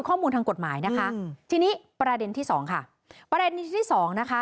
ข้อมูลทางกฎหมายนะคะอืมทีนี้ประเด็นที่สองค่ะประเด็นที่สองนะคะ